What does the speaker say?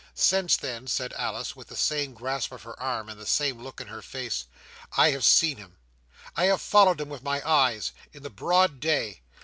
"Since then," said Alice, with the same grasp of her arm, and the same look in her face, "I have seen him! I have followed him with my eyes. In the broad day.